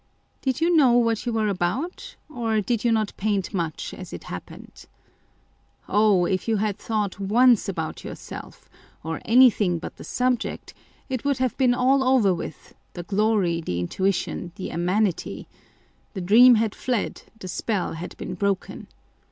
Did you know what you were about, or did you not paint much as it happened ? Oh ! if you had thought once about yourself, or anything but the subject, it would have been all over with " the glory, the intuition, the amenity," the dream had fled, the spell had been broken.